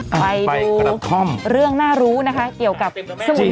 ไปดูเรื่องน่ารู้นะคะเกี่ยวกับสมุย